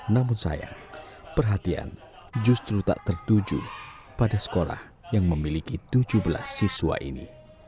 namun sayang perhatian justru tak tertuju pada sekolah yang memiliki tujuh belas siswa ini